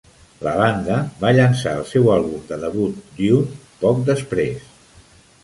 La banda va llançar el seu àlbum de debut "Dune" poc després.